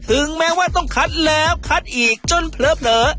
ถึงแม้ว่าต้องคัดแล้วคัดอีกจนเผลอ